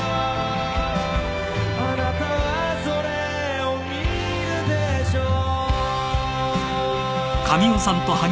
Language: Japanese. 「あなたはそれを見るでしょう」